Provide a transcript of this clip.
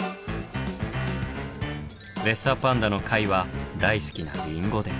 レッサーパンダのカイは大好きなリンゴで。